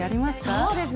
そうですね。